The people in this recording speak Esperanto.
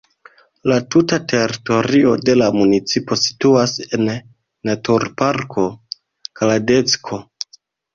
La tuta teritorio de la municipo situas en naturparko Kladecko.